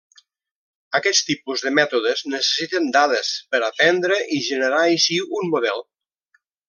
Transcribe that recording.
Aquest tipus de mètodes necessiten dades per aprendre i generar així un model.